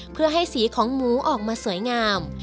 เพื่อให้สีของหมูออกมาสวยงาม